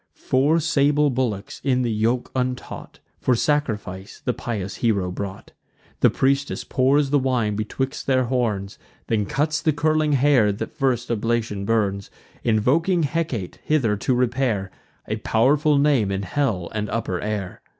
Four sable bullocks, in the yoke untaught, For sacrifice the pious hero brought. The priestess pours the wine betwixt their horns; Then cuts the curling hair; that first oblation burns, Invoking Hecate hither to repair: A pow'rful name in hell and upper air.